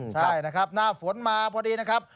ใช่นะครับหน้าฝนมาพอดีนะครับ